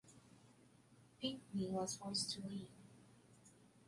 Pinkney was forced to leave.